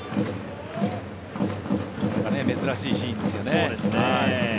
珍しいシーンですよね。